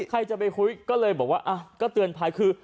ใครจะไปคุยก็เลยบอกว่าก็เตือนภัยคือ